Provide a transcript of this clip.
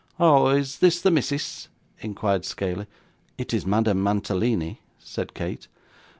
'Oh! Is this the missis?' inquired Scaley. 'It is Madame Mantalini,' said Kate.